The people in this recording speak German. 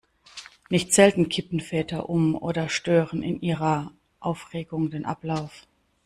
Nicht selten kippen Väter um oder stören in ihrer Aufregung den Ablauf.